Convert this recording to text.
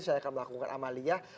saya akan melakukan amaliyah